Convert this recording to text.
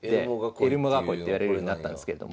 エルモ囲いっていわれるようになったんですけれども。